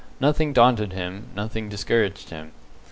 Nothing daunted him, nothing discouraged him.